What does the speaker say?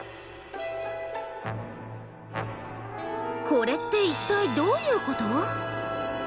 これって一体どういうこと？